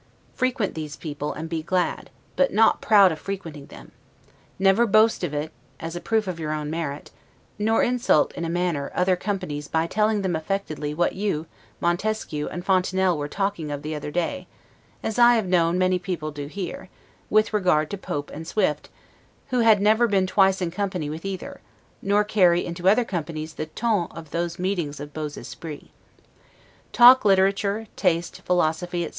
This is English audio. Frequent these people, and be glad, but not proud of frequenting them: never boast of it, as a proof of your own merit, nor insult, in a manner, other companies by telling them affectedly what you, Montesquieu and Fontenelle were talking of the other day; as I have known many people do here, with regard to Pope and Swift, who had never been twice in company with either; nor carry into other companies the 'ton' of those meetings of 'beaux esprits'. Talk literature, taste, philosophy, etc.